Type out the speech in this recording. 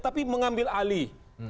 tapi mengambil alih